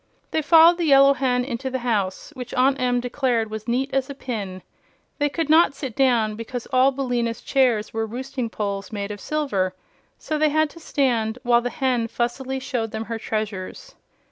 They followed the Yellow Hen into the house, which Aunt Em declared was neat as a pin. They could not sit down, because all Billina's chairs were roosting poles made of silver; so they had to stand while the hen fussily showed them her treasures.